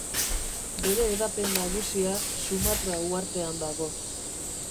Bere hedapen nagusia Sumatra uhartean dago.